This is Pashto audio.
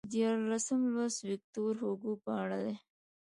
دیارلسم لوست ویکتور هوګو په اړه دی.